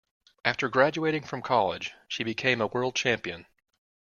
After graduating from college, she became a world champion.